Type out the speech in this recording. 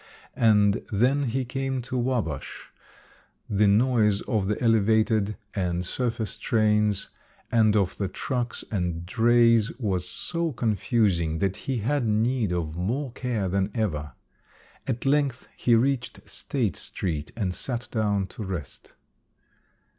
And then he came to Wabash the noise of the elevated and surface trains, and of the trucks and drays was so confusing that he had need of more care than ever. At length he reached State street and sat down to rest.